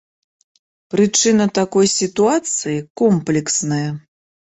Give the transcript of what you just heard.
Прычына такой сітуацыі комплексная.